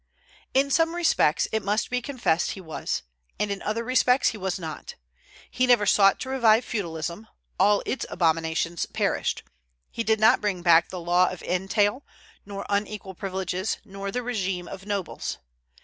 In some respects, it must be confessed, he was, and in other respects he was not. He never sought to revive feudalism; all its abominations perished. He did not bring back the law of entail, nor unequal privileges, nor the régime of nobles.